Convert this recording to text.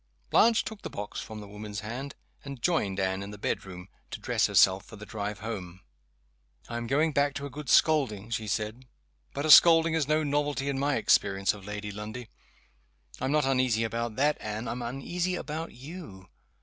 Blanche took the box from the woman's hands, and joined Anne in the bedroom, to dress herself for the drive home. "I am going back to a good scolding," she said. "But a scolding is no novelty in my experience of Lady Lundie. I'm not uneasy about that, Anne I'm uneasy about you.